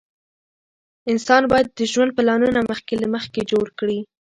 انسان باید د ژوند پلانونه مخکې له مخکې جوړ کړي.